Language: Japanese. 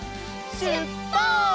しゅっぱつ！